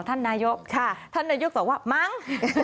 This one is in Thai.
ท่านนายกค่ะท่านนายกตอบว่ามั้ง